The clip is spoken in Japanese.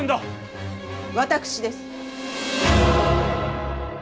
私です。